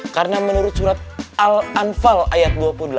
karena menurut surat al anfal ayat dua puluh delapan